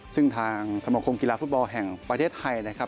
ซึ่งทางสมคมกีฬาฟุตบอลแห่งประเทศไทยนะครับ